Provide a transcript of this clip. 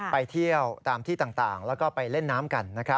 ไปเที่ยวตามที่ต่างแล้วก็ไปเล่นน้ำกัน